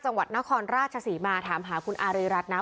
จังหวัดนครราชศรีมาถามหาคุณอารีรัฐนะ